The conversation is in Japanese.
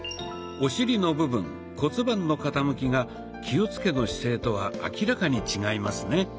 お尻の部分骨盤の傾きが気をつけの姿勢とは明らかに違いますね。